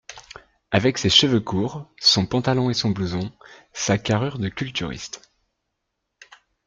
Avec ses cheveux courts, son pantalon et son blouson, sa carrure de culturiste